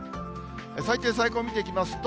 最低、最高見ていきますと。